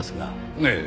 ええ。